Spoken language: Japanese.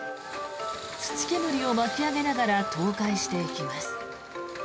土煙を巻き上げながら倒壊していきます。